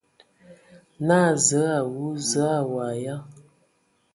Naa: Zǝə a wu! Zǝə a waag ya ?